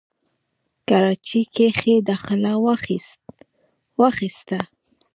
کراچۍ کښې داخله واخسته،